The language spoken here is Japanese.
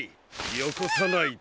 よこさないと。